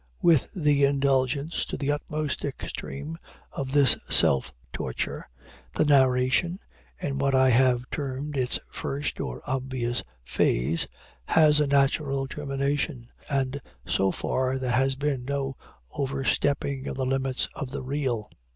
With the indulgence, to the utmost extreme, of this self torture, the narration, in what I have termed its first or obvious phase, has a natural termination, and so far there has been no overstepping of the limits of the real.